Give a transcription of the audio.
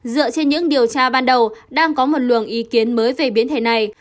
dựa trên những điều tra ban đầu đang có một luồng ý kiến mới về biến thể này